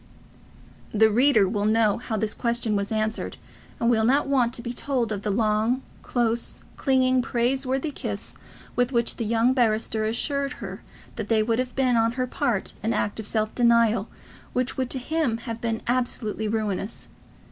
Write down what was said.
The reader will know how this question was answered, and will not want to be told of the long, close, clinging, praiseworthy kiss with which the young barrister assured her that would have been on her part an act of self denial which would to him have been absolutely ruinous.